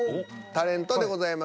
「タレント」でございます。